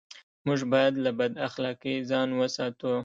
موږ بايد له بد اخلاقۍ ځان و ساتو.